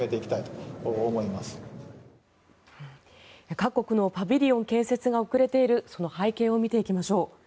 各国のパビリオン建設が遅れているその背景を見ていきましょう。